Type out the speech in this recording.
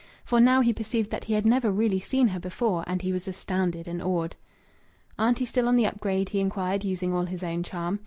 For now he perceived that he had never really seen her before; and he was astounded and awed. "Auntie still on the up grade?" he inquired, using all his own charm.